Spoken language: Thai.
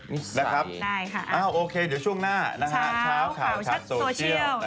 นี่ใส่อ่าอ่าโอเคเดี๋ยวช่วงหน้านะครับช้าวเข่าค่าชัดโซเชียล